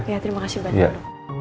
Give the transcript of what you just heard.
ya terima kasih banyak